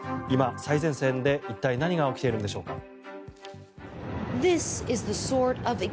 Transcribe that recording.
今、最前線で一体、何が起きているのでしょうか。